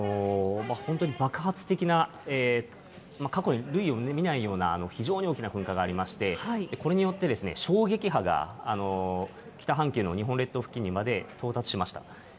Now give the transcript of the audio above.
本当に爆発的な、過去に類を見ないような非常に大きな噴火がありまして、これによって衝撃波が北半球の日本列島付近にまで到達しました。